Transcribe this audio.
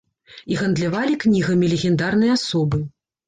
І гандлявалі кнігамі легендарныя асобы.